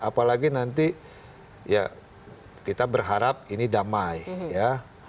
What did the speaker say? apalagi nanti ya kita berharap ini damai ya